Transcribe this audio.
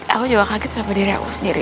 aku juga kaget sama diri aku sendiri